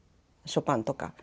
ショパンとか。